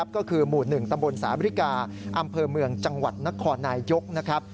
ก็คือหมู่๑ตำบลสาบริกาอำเภอเมืองจังหวัดนครนายยกนะครับ